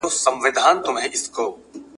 ته وا خوشي په لمنو کي د غرو سوه ,